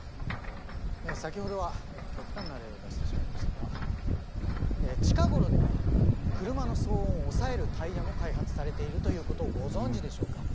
先ほどは極端な例を出してしまいましたが近頃では車の騒音を抑えるタイヤも開発されているということをご存じでしょうか？